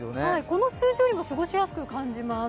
この数字よりも過ごしやすく感じます。